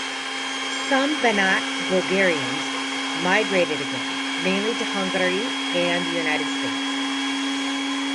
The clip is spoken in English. Some Banat Bulgarians migrated again, mainly to Hungary and the United States.